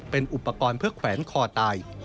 เป็นอุปกรณ์เพื่อแขวนคอตาย